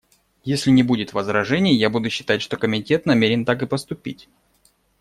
Если не будет возражений, я буду считать, что Комитет намерен так и поступить.